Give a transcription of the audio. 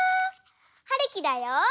はるきだよ！